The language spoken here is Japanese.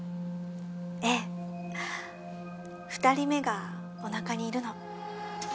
ええ２人目がお腹にいるの。